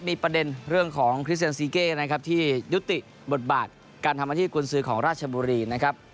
มีประเด็นเรื่องของคริสเซนซีเก้นะครับที่ยุติบทบาทการทำหน้าที่กุญสือของราชบุรีนะครับ